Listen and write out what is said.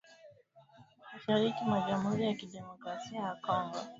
mashariki mwa Jamhuri ya Kidemokrasi ya Kongo siku ya Jumapili